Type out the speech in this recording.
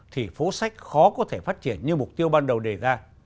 thì phố sách khó có thể phát triển như mục tiêu ban đầu đề ra